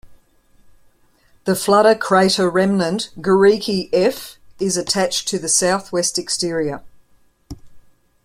The flooded crater remnant Guericke F is attached to the southwest exterior.